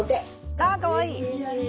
あっかわいい。